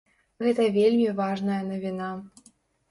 Гэта вельмі важная навіна.